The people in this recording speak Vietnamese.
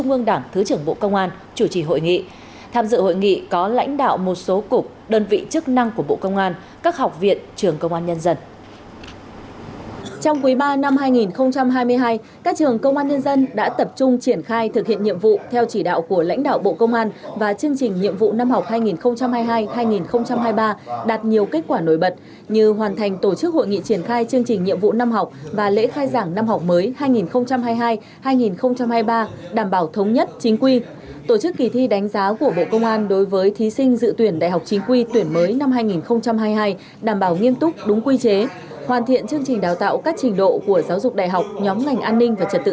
qua một mươi năm hai nghìn hai mươi hai các trường công an nhân dân đã tập trung triển khai thực hiện nhiệm vụ theo chỉ đạo của lãnh đạo bộ công an và chương trình nhiệm vụ năm học hai nghìn hai mươi hai hai nghìn hai mươi ba đạt nhiều kết quả nổi bật như hoàn thành tổ chức hội nghị triển khai chương trình nhiệm vụ năm học và lễ khai giảng năm học mới hai nghìn hai mươi hai hai nghìn hai mươi ba đảm bảo thống nhất chính quy tổ chức kỳ thi đánh giá của bộ công an đối với thí sinh dự tuyển đại học chính quy tuyển mới năm hai nghìn hai mươi hai đảm bảo nghiêm túc đúng quy chế hoàn thiện chương trình đào tạo các trình độ của an ninh trật tự